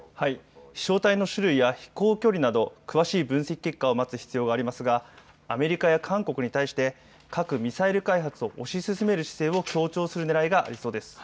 飛しょう体の種類や飛行距離など詳しい分析結果を待つ必要がありますがアメリカや韓国に対して核ミサイル開発を推し進める姿勢を強調するねらいがありそうです。